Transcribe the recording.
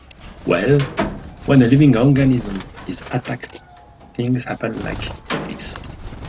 Well, when a living organism is attacked, things happen like this.